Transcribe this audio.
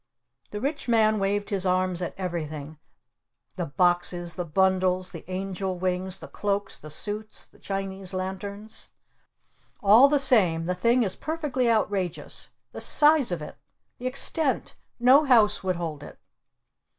The Rich Man waved his arms at everything, the boxes, the bundles, the angel wings, the cloaks, the suits, the Chinese Lanterns. "All the same, the thing is perfectly outrageous! The size of it! The extent! No house would hold it!"